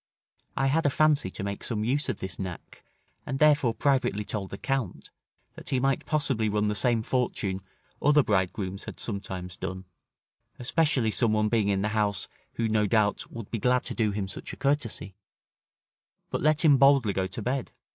I had a fancy to make some use of this knack, and therefore privately told the Count, that he might possibly run the same fortune other bridegrooms had sometimes done, especially some one being in the house, who, no doubt, would be glad to do him such a courtesy: but let him boldly go to bed.